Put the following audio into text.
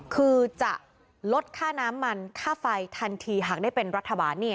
คือจะลดค่าน้ำมันค่าไฟทันทีหากได้เป็นรัฐบาล